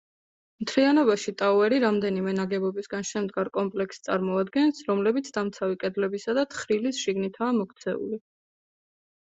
მთლიანობაში, ტაუერი რამდენიმე ნაგებობისგან შემდგარ კომპლექსს წარმოადგენს, რომლებიც დამცავი კედლებისა და თხრილის შიგნითაა მოქცეული.